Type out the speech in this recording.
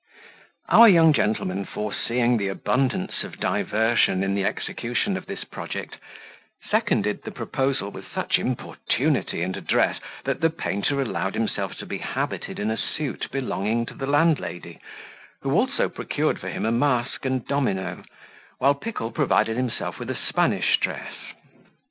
Our young gentleman foreseeing the abundance of diversion in the execution of this project, seconded the proposal with such importunity and address, that the painter allowed himself to be habited in a suit belonging to the landlady, who also procured for him a mask and domino, while Pickle provided himself with a Spanish dress.